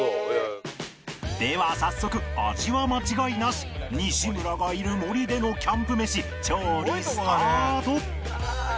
では早速味は間違いなし“西村”がいる森でのキャンプ飯調理スタート！